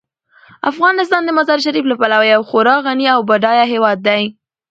افغانستان د مزارشریف له پلوه یو خورا غني او بډایه هیواد دی.